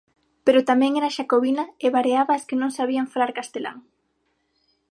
Pero tamén era xacobina e vareaba as que non sabían falar castelán.